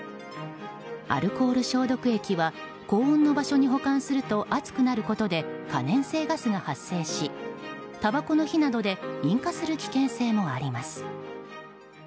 アルコール消毒液は高温の場所に保管すると熱くなることで可燃性ガスが発生したばこの火などで引火する危険性もあります。